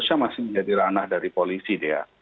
sebenarnya masih menjadi ranah dari polisi